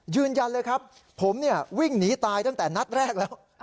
ยืนยันเลยครับผมเนี่ยวิ่งหนีตายตั้งแต่นัดแรกแล้ว